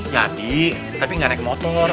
jadi tapi gak naik motor